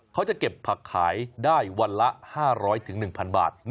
เขาจะเก็บผักขายได้วันละ๕๐๐๑๐๐บาท